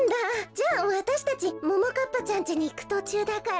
じゃあわたしたちももかっぱちゃんちにいくとちゅうだから。